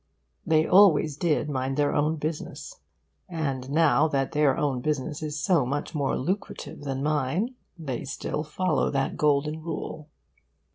They always did mind their own business. And now that their own business is so much more lucrative than mine they still follow that golden rule.